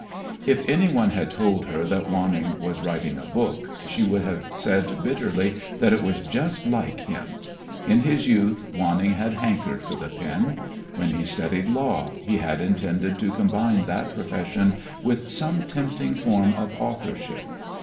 If anyone had told her that Wanning was writing a book, she would have said bitterly that it was just like him. In his youth Wanning had hankered for the pen. When he studied law, he had intended to combine that profession with some tempting form of authorship.